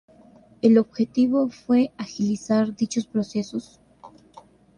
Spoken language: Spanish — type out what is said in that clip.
El objetivo fue agilizar dichos procesos.